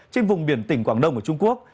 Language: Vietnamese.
trên vùng biển tỉnh quảng đông của trung quốc